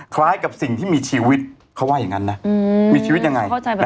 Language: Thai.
คล้ายกับสิ่งที่มีชีวิตเขาว่าอย่างนั้นนะมีชีวิตยังไง